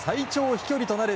飛距離となる